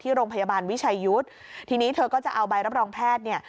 โรงพยาบาลวิชัยยุทธ์ทีนี้เธอก็จะเอาใบรับรองแพทย์เนี่ย